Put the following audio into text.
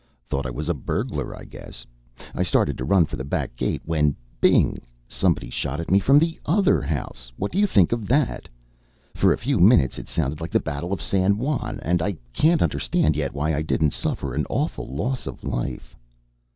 Thought I was a burglar, I guess. I started to run for the back gate, when bing! somebody shot at me from the other house. What do you think of that? For a few minutes it sounded like the battle of San Juan, and I can't understand yet why I didn't suffer an awful loss of life."